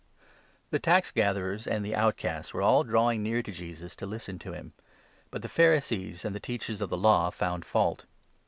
The tax gatherers and the outcasts were all drawing near i to Jesus to listen to him ; but the Pharisees and the Teachers 2 of the Law found fault.